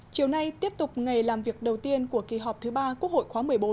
chiều nay tiếp tục ngày làm việc đầu tiên của kỳ họp thứ ba quốc hội khóa một mươi bốn